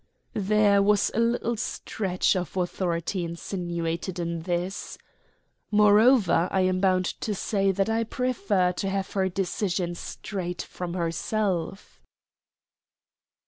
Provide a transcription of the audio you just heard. There was a little stretch of authority insinuated in this. "Moreover, I am bound to say that I prefer to have her decision straight from herself."